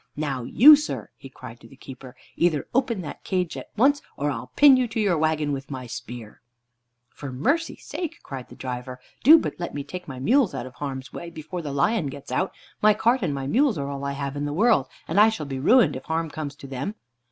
Now you, sir," he cried to the keeper, "either open that cage at once, or I'll pin you to your wagon with my spear." "For mercy's sake, sir," cried the driver, "do but let me take my mules out of harm's way before the lion gets out. My cart and my mules are all I have in the world, and I shall be ruined if harm comes to them."